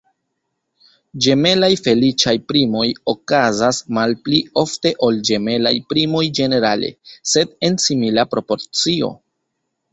Ĝemelaj feliĉaj primoj okazas malpli ofte ol ĝemelaj primoj ĝenerale, sed en simila proporcio.